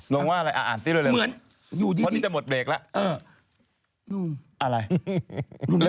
ลงว่าอะไรอะอ่านสิเร็วเพราะวันนี้จะหมดเบรกล่ะเห็นได้ดูดี